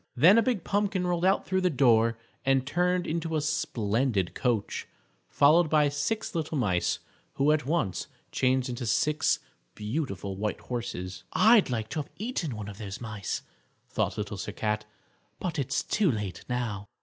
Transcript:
Then a big pumpkin rolled out through the door and turned into a splendid coach, followed by six little mice, who at once changed into six beautiful white horses. "I'd like to have eaten one of those mice," thought Little Sir Cat, "but it's too late now."